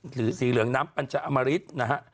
สีเหลืองน้ำปัญชาอมริตนะฮะ